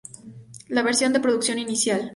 La versión de producción inicial.